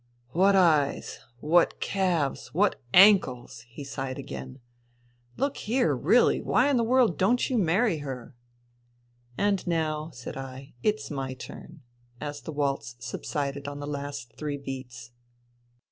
"What eyes! What calves I What ankles!" he sighed again. " Look here, really, why in the world don't you marry her ?"" And now," said I, "it's my turn," as the waltz subsided on the last three beats.